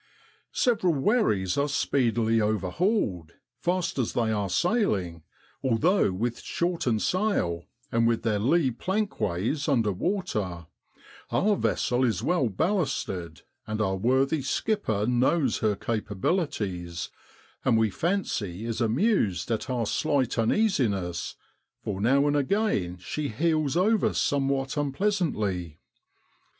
Several wherries are speedily overhauled, fast as they are sailing, although with shortened sail and with their lee plank ways under water our vessel is well ballasted, and our worthy skipper knows her capabilities, and we fancy is amused at our slight uneasiness, for now and again she heels over somewhat unpleasantly.